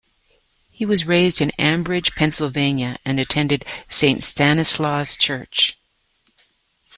He was raised in Ambridge, Pennsylvania and attended St. Stanislaus Church.